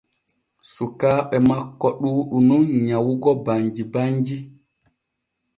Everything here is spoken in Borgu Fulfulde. Sukaaɓe makko ɗuuɗu nun nyawugo banji banji.